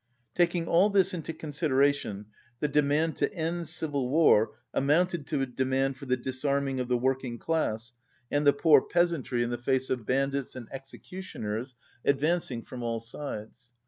Taking all this into consideration the demand to end civil war amounted to a demand for the dis arming of the working class and the poor peasantry 168 in the face of bandits and executioners advancing from all sides.